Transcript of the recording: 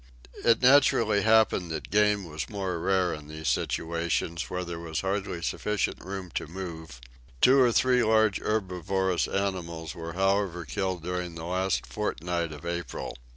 It naturally happened that game was more rare in those situations where there was hardly sufficient room to move; two or three large herbivorous animals were however killed during the last fortnight of April.